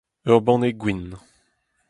ur banne gwin.